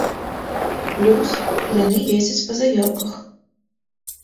Плюс, яны ездзяць па заяўках.